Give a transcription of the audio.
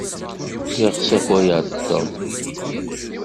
Lliɣ ssakayeɣ-d Tom.